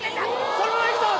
そのままいくぞ！